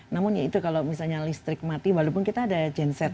namun ya itu kalau misalnya listrik mati walaupun kita ada genset